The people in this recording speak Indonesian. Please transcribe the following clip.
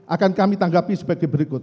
akan kami tanggapi sebagai berikut